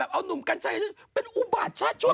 แบบเอานุ่มกันใช่เป็นอุบาทชาติชั่วโกรธ